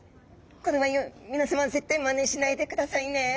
これは皆さまは絶対まねしないでくださいね。